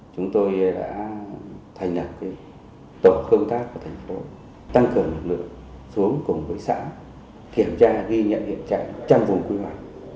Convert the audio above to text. chúng tôi đã thành lập tổ công tác của thành phố tăng cường lực lượng xuống cùng với xã kiểm tra ghi nhận hiện trạng trong vùng quy hoạch